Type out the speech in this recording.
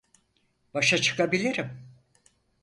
Başa çıkabilirim.